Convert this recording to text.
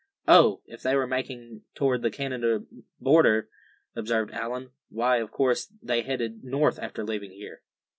"Oh! if they were making toward the Canada border," observed Allan, "why, of course they headed north after leaving here."